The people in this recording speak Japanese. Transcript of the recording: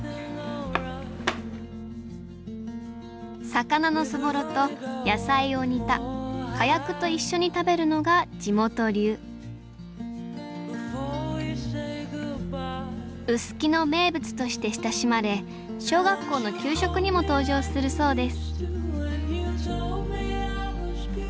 魚のそぼろと野菜を煮たかやくと一緒に食べるのが地元流臼杵の名物として親しまれ小学校の給食にも登場するそうです